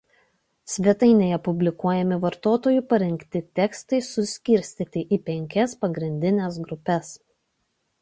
Svetainėje publikuojami vartotojų parengti tekstai suskirstyti į penkias pagrindines grupes.